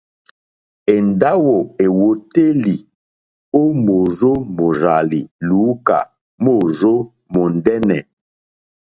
Èndáwò èwòtélì ó mòrzó mòrzàlì lùúkà móòrzó mòndɛ́nɛ̀.